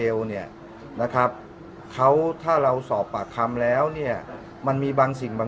อ๋อขออนุญาตเป็นในเรื่องของการสอบสวนปากคำแพทย์ผู้ที่เกี่ยวข้องให้ชัดแจ้งอีกครั้งหนึ่งนะครับ